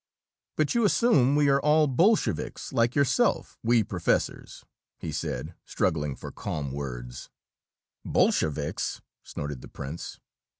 "But you assume we are all Bolsheviks, like yourself, we professors," he said, struggling for calm words. "Bolsheviks!" snorted the prince.